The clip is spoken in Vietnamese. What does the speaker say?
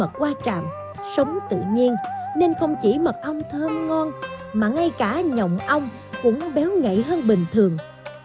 vậy đây là món ăn có mật qua trạm sống tự nhiên nên không chỉ mật ong thơm ngon mà ngay cả nhộn ong cũng béo ngậy hơn bình thường